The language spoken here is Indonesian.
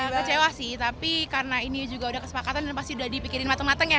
kecewa sih tapi karena ini juga udah kesepakatan dan pasti udah dipikirin mateng mateng ya